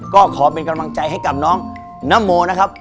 ก็ขอเป็นกำลังใจให้กับน้องนโมนะครับ